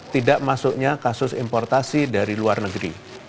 tidak masuknya kasus importasi dari luar negeri